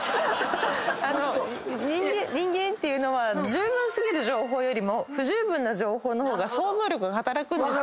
人間っていうのはじゅうぶん過ぎる情報よりも不十分な情報の方が想像力が働くんですよ。